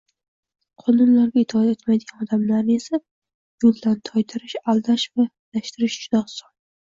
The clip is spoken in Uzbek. Qonunlarga itoat etmaydigan odamlarni esa, yo`ldan toydirish, aldash va adashtirish juda oson